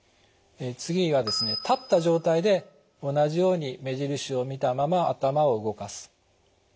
次がですね立った状態で同じように目印を見たまま頭を動かす。